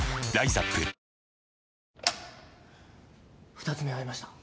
２つ目合いました。